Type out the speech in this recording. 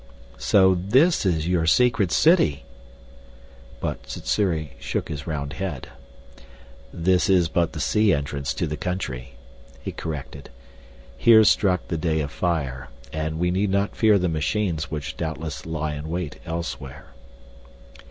"So this is your secret city!" But Sssuri shook his round head. "This is but the sea entrance to the country," he corrected. "Here struck the day of fire, and we need not fear the machines which doubtless lie in wait elsewhere."